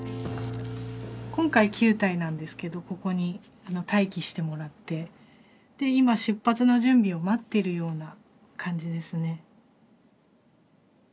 今回９体なんですけどここに待機してもらって今出発の準備を待っているような感じですね。